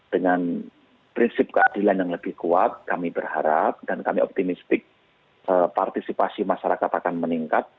dengan prinsip keadilan yang lebih kuat kami berharap dan kami optimistik partisipasi masyarakat akan meningkat